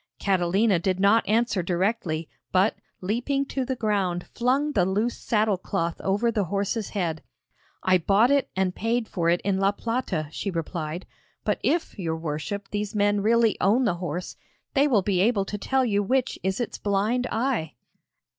Catalina did not answer directly, but, leaping to the ground, flung the loose saddle cloth over the horse's head. 'I bought it and paid for it in La Plata,' she replied; 'but if, your worship, these men really own the horse, they will be able to tell you which is its blind eye.'